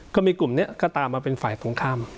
ก็มีกลุ่มนี้ก็ตามมาเป็นฝ่ายตรงข้าม